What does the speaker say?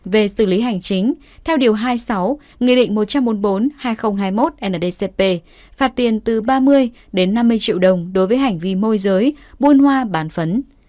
về xử lý hành chính theo điều hai mươi sáu nghị định một trăm bốn mươi bốn hai nghìn hai mươi một ndcp phạt tiền từ ba mươi đến năm mươi triệu đồng đối với hành vi môi giới buôn hoa bán phấn